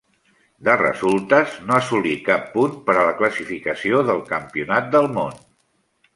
De resultes, no assolí cap punt per la classificació del campionat del món.